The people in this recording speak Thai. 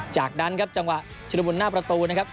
จากนั้นครับจังหวะชุดละมุนหน้าประตูนะครับ